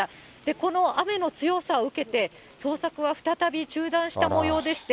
この雨の強さを受けて、捜索は再び中断したもようでして。